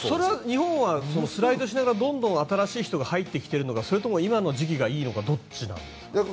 日本はスライドしながらどんどん新しい人が入ってきているのかそれとも今の時期がいいのかどっちなんですか。